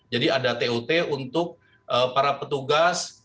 jadi ada tot untuk para petugas